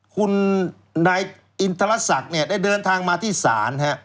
คุณนายอินทรศักดิ์เนี่ยได้เดินทางมาที่ศาล